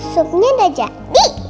supnya udah jadi